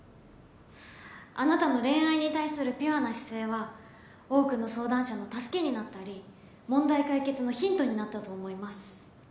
あなたの恋愛に対するピュアな姿勢は多くの相談者の助けになったり問題解決のヒントになったと思います。